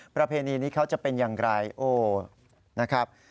ประเพณีนี้เขาจะเป็นอย่างไรโอ้นะครับ